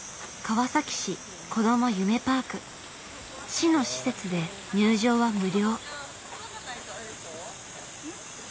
市の施設で入場は無料。